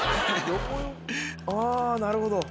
あぁなるほど。